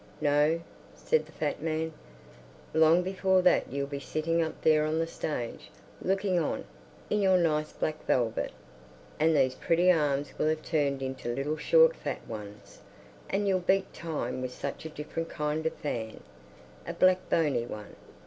No o," said the fat man, "long before that you'll be sitting up there on the stage, looking on, in your nice black velvet. And these pretty arms will have turned into little short fat ones, and you'll beat time with such a different kind of fan—a black bony one."